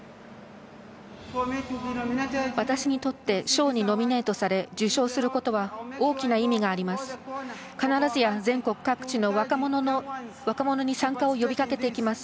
私にとって賞にノミネートされ受賞することは大きな意味があります。